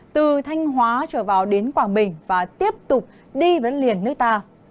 từ thanh hóa trở vào đến quảng bình và tiếp tục đi với liền nước ta